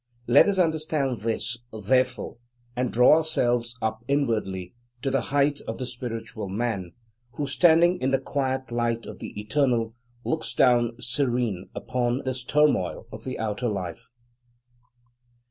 Let us under stand this, therefore, and draw ourselves up inwardly to the height of the Spiritual Man, who, standing in the quiet light of the Eternal, looks down serene upon this turmoil of the outer life.